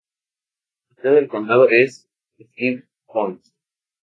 La sede del condado es Stevens Point.